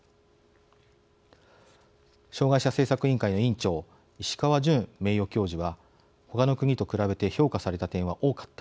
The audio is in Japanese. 障害者政策委員会の委員長石川准名誉教授は「ほかの国と比べて評価された点は多かった。